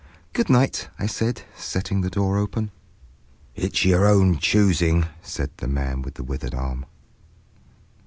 "Good night," I said, setting the door open. "It's your own choosing," said the man with the withered arm.